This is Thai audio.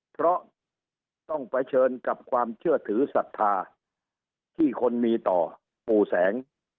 เพราะต้องเผชิญกับความเชื่อถือศรัทธาที่คนมีต่อปู่แสง